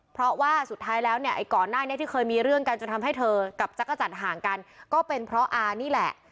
เพราะว่าสุดท้ายแล้วเนี่ยไอ้ก่อนหน้านี้ที่เคยมีเรื่องกันจนทำให้เธอกับจักรจันทร์ห่างกันก็เป็นเพราะอานี่แหละ